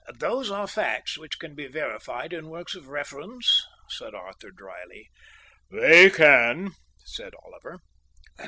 "Those are facts which can be verified in works of reference," said Arthur dryly. "They can," said Oliver.